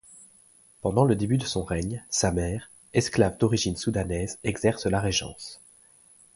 Pendant le début de son règne, sa mère, esclave d'origine soudanaise, exerce la régence.